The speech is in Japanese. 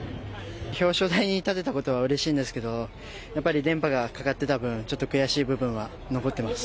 表彰台に立てたことはうれしいんですけど、やっぱり連覇がかかってた分、ちょっと悔しい分は残ってます。